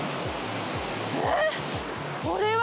えっ？